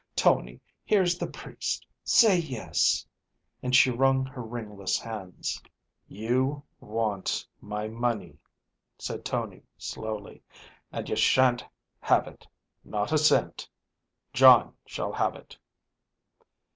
Tony, here's the priest; say yes." And she wrung her ringless hands. "You want my money," said Tony, slowly, "and you sha'n't have it, not a cent; John shall have it."